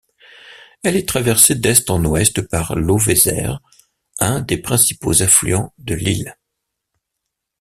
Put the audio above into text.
Elle est traversée d'est en ouest par l'Auvézère, un des principaux affluents de l'Isle.